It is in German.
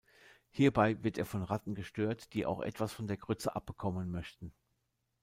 Hierbei wird er von Ratten gestört, die auch etwas von der Grütze abbekommen möchten.